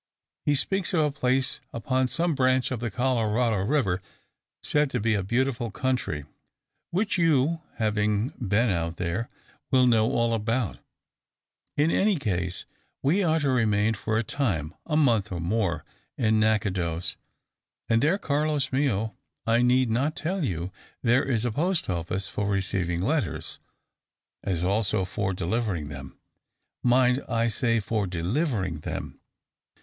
He speaks of a place upon some branch of the Colorado River, said to be a beautiful country; which, you, having been out there, will know all about. In any case, we are to remain for a time, a month or more, in Nachitoches; and there, Carlos mio, I need not tell you, there is a post office for receiving letters, as also for delivering them. Mind, I say for delivering them!